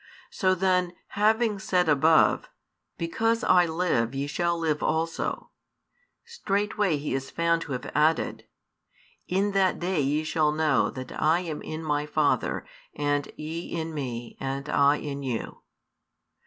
So then, having said above: Because I live ye shall live also, straightway He is found to have added: In that day ye shall know that I am in My Father, and ye in Me, and I in you.